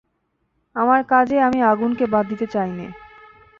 আমার কাজে আমি আগুনকে বাদ দিতে চাই নে।